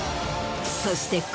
そして。